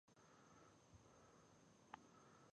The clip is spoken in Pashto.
افغانستان د ځنګلونو د پلوه ځانته ځانګړتیا لري.